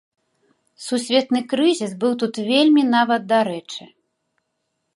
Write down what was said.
Сусветны крызіс быў тут вельмі нават дарэчы.